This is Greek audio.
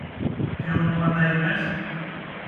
Τι ονόματα είπες;